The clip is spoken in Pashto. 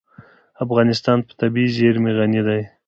افغانستان په طبیعي زیرمې غني دی.